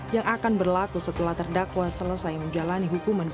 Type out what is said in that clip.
yang akan berlaku setelah terhadap penyelamat